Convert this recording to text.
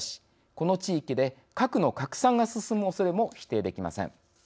この地域で核の拡散が進むおそれも否定できません。